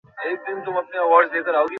এখন অন্য একটা ছবি দেখ, বিয়ের ছবি।